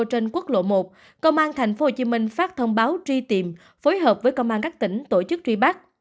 trên quốc lộ một công an tp hcm phát thông báo truy tìm phối hợp với công an các tỉnh tổ chức truy bắt